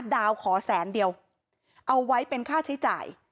ดาวขอแสนเดียวเอาไว้เป็นค่าใช้จ่าย